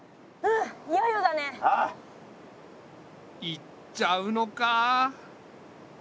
行っちゃうのか。